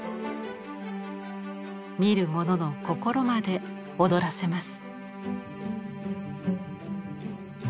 見る者の心まで躍らせます。